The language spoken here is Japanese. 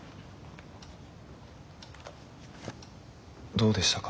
どうでしたか？